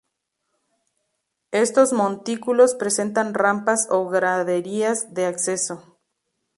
Estos montículos presentan rampas o graderías de acceso.